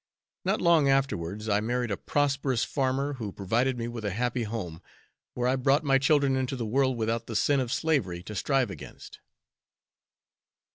Not long afterwards, I married a prosperous farmer, who provided me with a happy home, where I brought my children into the world without the sin of slavery to strive against."